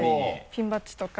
ピンバッジとか。